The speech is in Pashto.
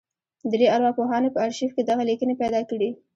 درې ارواپوهانو په ارشيف کې دغه ليکنې پیدا کړې.